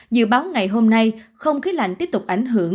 dự báo ngày hôm nay không khí lạnh tiếp tục ảnh hưởng